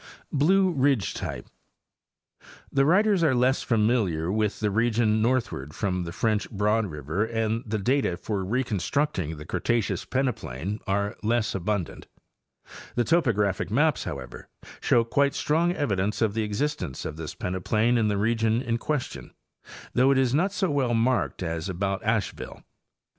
Blue Ridge Type.—The writers are less familiar with the region northward from the French Broad river and the data for recon structing the Cretaceous peneplain are less abundant. The topographic maps, however, show quite strong evidence of the existence of this peneplain in the region in question, though it "Op: (elt. ou 297. waa? ae eee eS i, ]\ The Peneplain in Virginia. 7) is not so well marked as about Asheville.